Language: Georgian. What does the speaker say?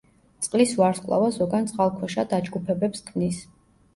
წყლის ვარსკვლავა ზოგან წყალქვეშა დაჯგუფებებს ქმნის.